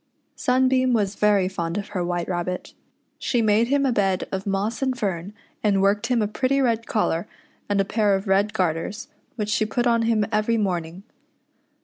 Sunbeam was very fond of her White Rabbit. She niade him a bed of moss and fern, and worked him a pretty red collar and a pair of red garters, which she put on him every morning.